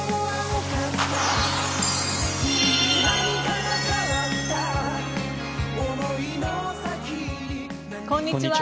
こんにちは。